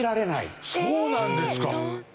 そうなんですか！